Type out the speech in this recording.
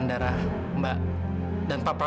pada waktu roman siang belom puppet